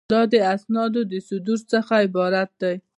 دا د اسنادو د صدور څخه عبارت دی.